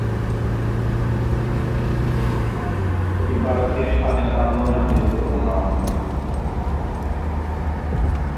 এটি ভারতের স্বাধীনতা আন্দোলনের গুরুত্বপূর্ণ অংশ।